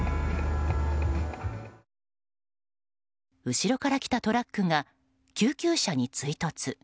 後ろから来たトラックが救急車に追突。